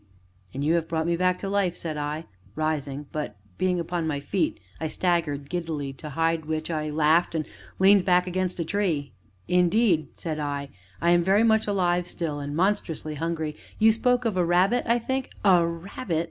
"And you have brought me back to life," said I, rising; but, being upon my feet, I staggered giddily, to hide which, I laughed, and leaned against a tree. "Indeed," said I, "I am very much alive still, and monstrously hungry you spoke of a rabbit, I think " "A rabbit!"